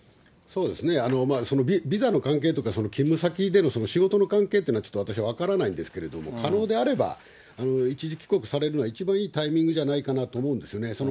そのビザの関係とか、勤務先での仕事の関係というのは私分からないんですけれども、可能であれば、一時帰国されるのは一番いいタイミングじゃないかなと思うんですよね。